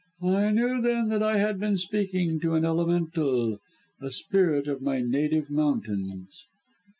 I knew then that I had been speaking to an Elemental a spirit of my native mountains."